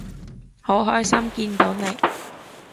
好開心見到你